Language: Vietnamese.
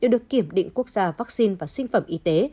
được kiểm định quốc gia vaccine và sinh phẩm y tế